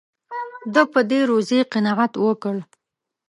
ده په دې روزي قناعت وکړ.